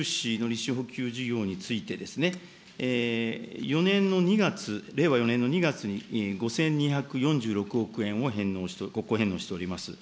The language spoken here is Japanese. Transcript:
まず民間のゼロゼロ融資の利子補給事業について、４年の２月、令和４年の２月に５２４６億円を国庫返納しております。